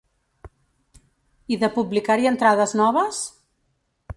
I de publicar-hi entrades noves?